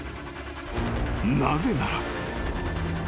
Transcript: ［なぜなら］